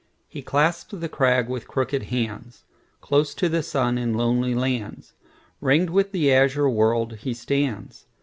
He clasps the crag with hooked hands; Close to the sun in lonely lands, Ring'd with the azure world, he stands.